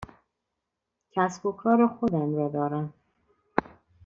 کسب و کار خودم را دارم.